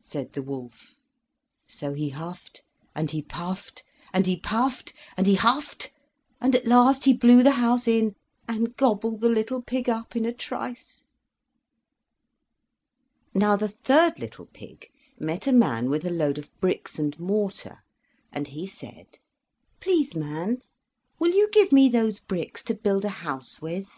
said the wolf. So he huffed and he puffed, and he puffed, and he huffed, and at last he blew the house in, and gobbled the little pig up in a trice. Now, the third little pig met a man with a load of bricks and mortar, and he said: "Please, man, will you give me those bricks to build a house with?"